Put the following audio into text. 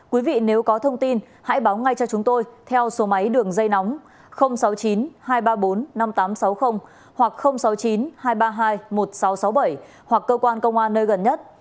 quý vị nếu có thông tin hãy báo ngay cho chúng tôi theo số máy đường dây nóng sáu mươi chín hai trăm ba mươi bốn năm nghìn tám trăm sáu mươi hoặc sáu mươi chín hai trăm ba mươi hai một nghìn sáu trăm sáu mươi bảy hoặc cơ quan công an nơi gần nhất